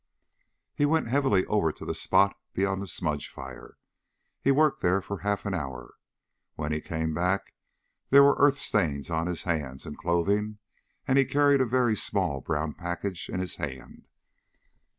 He went heavily over to the spot beyond the smudge fire. He worked there for half an hour. When he came back there were earth stains on his hands and clothing, and he carried a very small brown package in his hand.